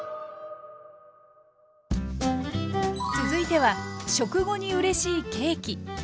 続いては食後にうれしいケーキ。